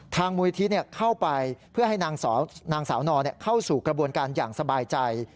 มูลนิธิเข้าไปเพื่อให้นางสาวนอเข้าสู่กระบวนการอย่างสบายใจ